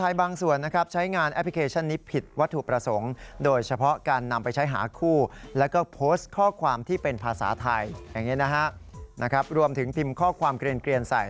อย่างนี้นะครับรวมถึงพิมพ์ข้อความเกรียญใส่